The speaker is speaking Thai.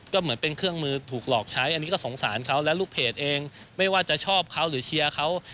ก็เหมือนเป็นเครื่องมือถูกหลอกใช้อันนี้ก็สงสารเขาและลูกเพจเองไม่ว่าจะชอบเขาหรือเชียร์เขา